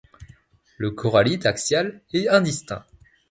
Le corallite axial est indistinct.